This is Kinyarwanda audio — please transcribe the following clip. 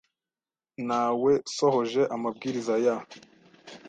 Nawesohoje amabwiriza ya .